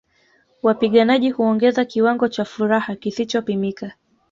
Wapiganaji huongeza kiwango cha furaha kisichopimika